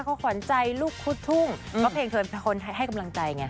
เขาขวัญใจลูกคุดทุ่งเพราะเพลงเธอเป็นคนให้กำลังใจไง